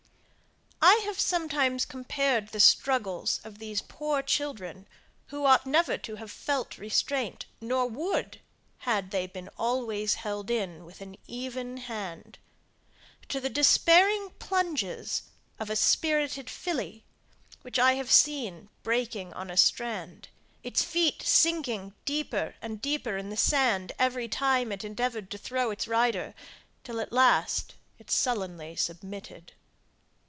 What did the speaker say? I have sometimes compared the struggles of these poor children who ought never to have felt restraint, nor would, had they been always held in with an even hand, to the despairing plunges of a spirited filly, which I have seen breaking on a strand; its feet sinking deeper and deeper in the sand every time it endeavoured to throw its rider, till at last it sullenly submitted.